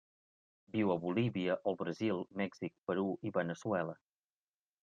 Viu a Bolívia, el Brasil, Mèxic, Perú i Veneçuela.